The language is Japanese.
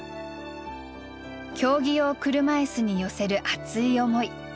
競技用車いすに寄せる熱い思い。